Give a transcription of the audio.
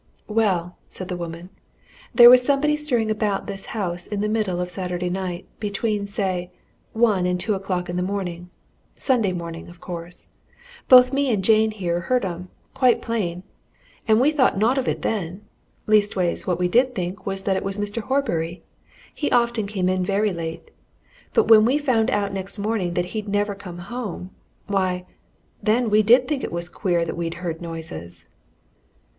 "Well," said the woman, "there was somebody stirring about this house in the middle of Saturday night between, say, one and two o'clock in the morning Sunday morning, of course. Both me and Jane here heard 'em quite plain. And we thought naught of it, then leastways, what we did think was that it was Mr. Horbury. He often came in very late. But when we found out next morning that he'd never come home why, then, we did think it was queer that we'd heard noises."